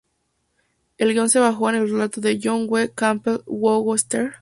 El guion se basó en el relato de John W. Campbell "Who Goes There?".